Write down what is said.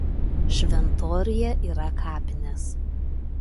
Šventoriuje yra kapinės.